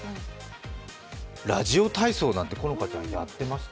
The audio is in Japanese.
ラジオ体操なんて、好花ちゃんやってました？